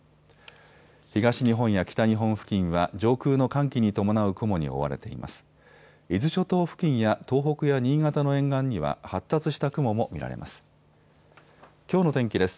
東日本や北日本付近は上空の寒気に伴う雲に覆われています。